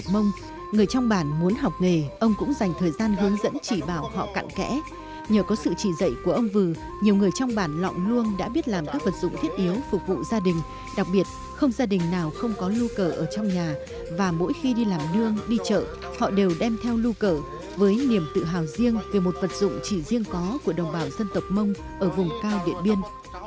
trong việc làm nghề ông cũng dành thời gian hướng dẫn chỉ bảo họ cạn kẽ nhờ có sự chỉ dạy của ông vừ nhiều người trong bản lọng luôn đã biết làm các vật dụng thiết yếu phục vụ gia đình đặc biệt không gia đình nào không có lua cờ ở trong nhà và mỗi khi đi làm đương đi chợ họ đều đem theo lua cờ với niềm tự hào riêng về một vật dụng chỉ riêng có của đồng bào dân tộc mông ở vùng cao điện biên